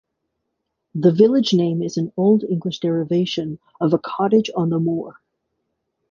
The village name is an Old English derivation of "a cottage on the moor".